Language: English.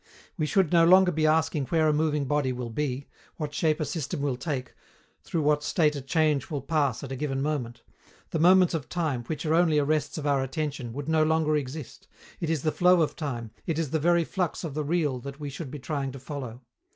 We should no longer be asking where a moving body will be, what shape a system will take, through what state a change will pass at a given moment: the moments of time, which are only arrests of our attention, would no longer exist; it is the flow of time, it is the very flux of the real that we should be trying to follow.